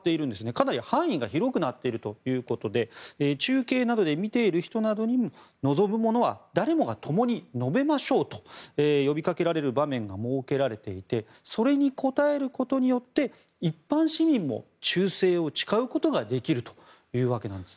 かなり範囲が広くなっているということで中継などで見ている人などに望む者は誰もがともに述べましょうと呼びかけられる場面が設けられていてそれに応えることによって一般市民も忠誠を誓うことができるというわけなんです。